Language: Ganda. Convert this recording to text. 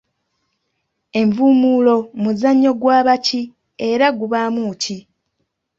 Envuumuulo muzannyo gwa baki era gubaamu ki?